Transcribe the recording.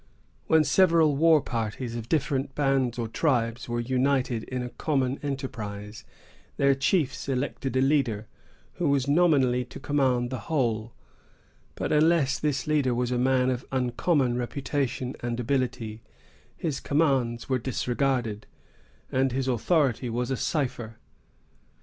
When several war parties, of different bands or tribes, were united in a common enterprise, their chiefs elected a leader, who was nominally to command the whole; but unless this leader was a man of uncommon reputation and ability, his commands were disregarded, and his authority was a cipher.